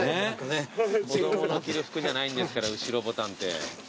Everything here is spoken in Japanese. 子供の着る服じゃないんですから後ろボタンって。